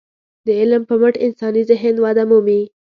د علم په مټ انساني ذهن وده مومي.